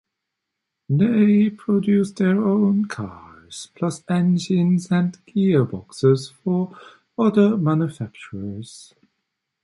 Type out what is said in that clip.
They produced their own cars plus engines and gearboxes for other manufacturers.